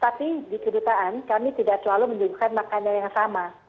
tapi di kedutaan kami tidak selalu menyebutkan makanan yang sama